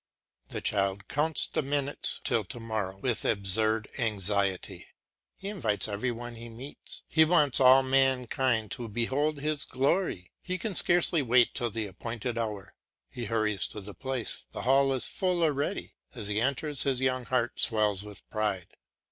The child counts the minutes till to morrow with absurd anxiety. He invites every one he meets, he wants all mankind to behold his glory; he can scarcely wait till the appointed hour. He hurries to the place; the hall is full already; as he enters his young heart swells with pride.